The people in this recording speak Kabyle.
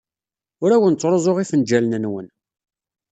Ur awen-ttruẓuɣ ifenjalen-nwen.